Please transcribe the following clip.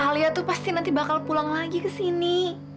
alia tuh pasti nanti bakal pulang lagi kesini